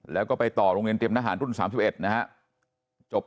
แล้วก็ไปต่อโรงเรียนเตรียมทหารรุ่น๓๑นะฮะ